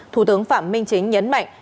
thủ tướng phạm minh chính nhấn mạnh